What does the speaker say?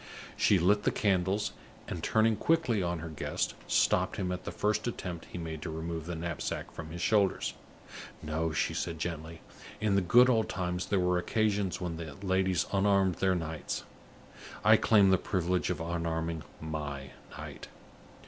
She lit the candles, and, turning quickly on her guest, stopped him at the first attempt he made to remove the knapsack from his shoulders. "No," she said, gently; "in the good old times there were occasions when the ladies unarmed their knights. I claim the privilege of unarming my knight."